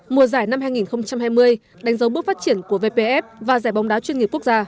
mùa giải năm hai nghìn hai mươi đánh dấu bước phát triển của vpf và giải bóng đá chuyên nghiệp quốc gia